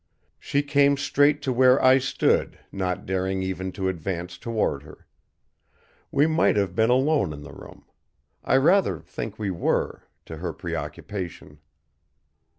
She came straight to where I stood, not daring even to advance toward her. We might have been alone in the room. I rather think we were, to her preoccupation.